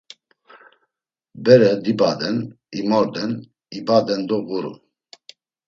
Bere dibaden, imorden, ibaden do ğurun.